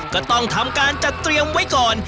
ก็ต้องทำการจัดเตรียมไว้ก่อน